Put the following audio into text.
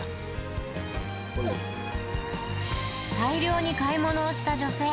大量に買い物をした女性。